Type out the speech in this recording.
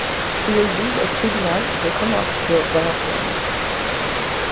Il est juge au tribunal de commerce de Valenciennes.